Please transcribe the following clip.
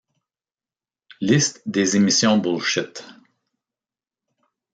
Liste des émissions Bullshit!